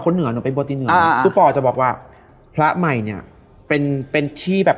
คนเหนือหนูเป็นบวชตีเหนือตู้ป่อจะบอกว่าพระใหม่เนี่ยเป็นที่แบบ